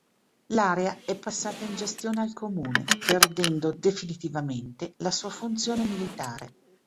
L'area è passata in gestione al comune, perdendo definitivamente la sua funzione militare.